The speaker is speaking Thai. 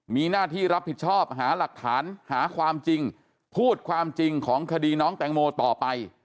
มีหน้าที่รับผิดชอบหาหลักฐานหาความจริงพูดความจริงของคดีน้องแตงโมต่อไป